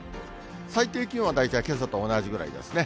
最低気温は大体けさと同じぐらいですね。